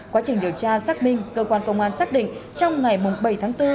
quá trình điều tra xác minh cơ quan công an xác định trong ngày bảy tháng bốn